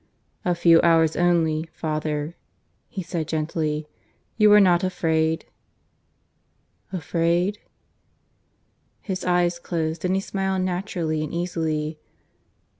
"A few hours only, father," he said gently. ... "You are not afraid?" "Afraid?" His eyes closed, and he smiled naturally and easily.